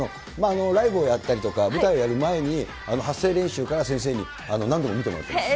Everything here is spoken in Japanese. ライブをやったりとか、舞台をやる前に、発声練習から先生に何度も見てもらっています。